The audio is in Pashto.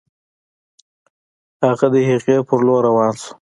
هغه د هغې په لور روان شو